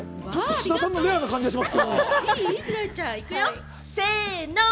志田さんのはレアな感じがします。